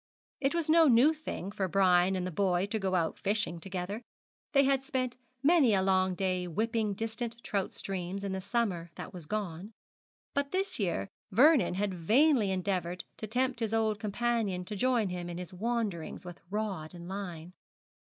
It was no new thing for Brian and the boy to go out fishing together. They had spent many a long day whipping distant trout streams in the summer that was gone, but this year Vernon had vainly endeavoured to tempt his old companion to join him in his wanderings with rod and line.